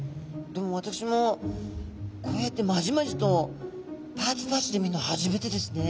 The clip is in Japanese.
でも私もこうやってまじまじとパーツパーツで見るの初めてですね。